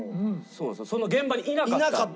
その現場にいなかった。